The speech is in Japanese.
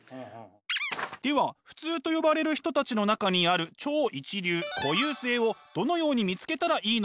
では普通と呼ばれる人たちの中にある「超一流」「固有性」をどのように見つけたらいいのか？